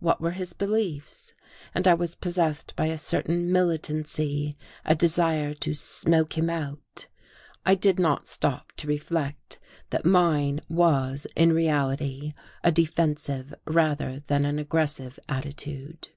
What were his beliefs? And I was possessed by a certain militancy, a desire to "smoke him out." I did not stop to reflect that mine was in reality a defensive rather than an aggressive attitude.